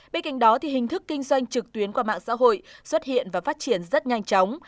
bên cạnh đó hình thức kinh doanh trực tuyến qua mạng xã hội xuất hiện và phát triển rất nhanh chóng